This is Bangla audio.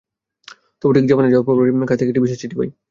তবে ঠিক জাপানে যাওয়ার পরপরই মার কাছ থেকে একটি বিশেষ চিঠি পাই।